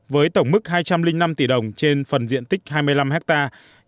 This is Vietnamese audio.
với tổng mức hai trăm linh năm tỷ đồng trên phần diện tích hai mươi năm hectare